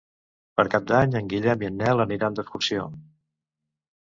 Per Cap d'Any en Guillem i en Nel aniran d'excursió.